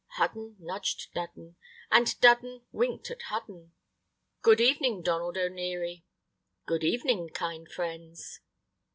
Hudden nudged Dudden, and Dudden winked at Hudden. "Good evening, Donald O'Neary." "Good evening, kind friends."